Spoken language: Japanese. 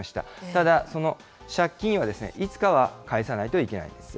ただ、その借金はいつかは返さないといけないです。